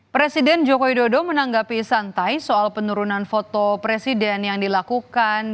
presiden joko widodo menanggapi santai soal penurunan foto presiden yang dilakukan